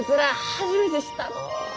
初めて知ったのう！